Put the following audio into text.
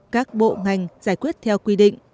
các bộ ngành giải quyết theo quy định